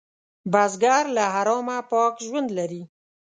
بزګر له حرامه پاک ژوند لري